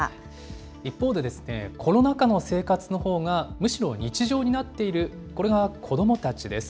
一方で、コロナ禍の生活のほうがむしろ日常になっている、これが子どもたちです。